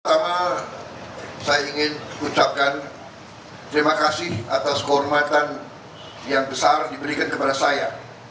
pertama saya ingin ucapkan terima kasih atas kehormatan yang besar diberikan kepada saya